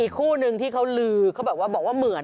อีกคู่หนึ่งที่เขาหลือเขาบอกว่าเหมือน